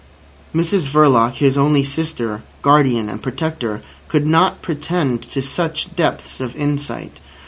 Mrs Verloc, his only sister, guardian, and protector, could not pretend to such depths of insight.